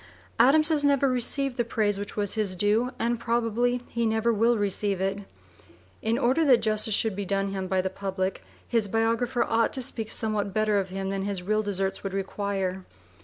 Adams has never received the praise which was his due, and probably he never will receive it. In order that justice should be done him by the public, his biographer ought to speak somewhat better of him than his real deserts would require.